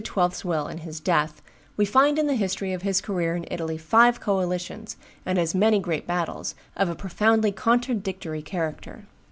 's will and his death, we find in the history of his career in Italy five coalitions, and as many great battles, of a profoundly contradictory character.